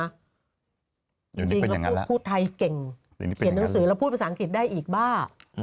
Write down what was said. จริงแล้วพูดไทยเก่งเขียนหนังสือแล้วพูดภาษาอังกฤษได้อีกบ้า